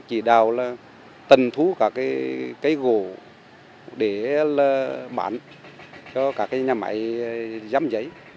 tuyên hóa là tầng thú các cây gỗ để bán cho các nhà máy giám giấy